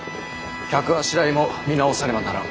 客あしらいも見直さねばならん。